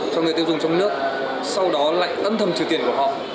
cho người tiêu dùng trong nước sau đó lại âm thầm trừ tiền của họ